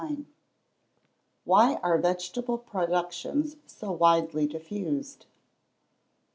1189. _Why are vegetable productions so widely diffused?